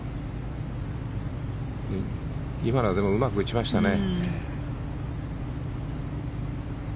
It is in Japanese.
今のはでもうまく打ちましたね。